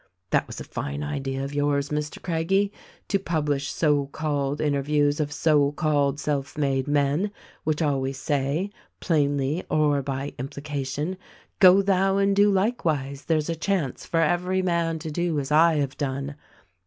"That was a fine idea of yours, Mr. Craggie, to publish so called interviews of so called self made men, which always say — plainly or by implication :— Go thou and do likewise ; there's a chance for every man to. do as I have done.